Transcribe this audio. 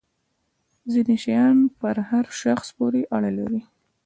ځینې شیان پر هر شخص پورې اړه لري.